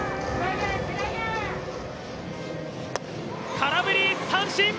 空振り三振！